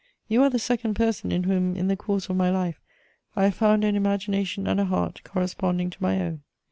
You are the second person in whom, in the course of my life, I have found an imagination and a heart corresponding to my own.